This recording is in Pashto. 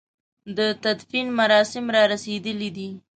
د تدفين مراسم را رسېدلي دي.